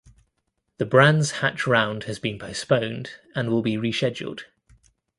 The Brands Hatch round has been postponed and will be rescheduled.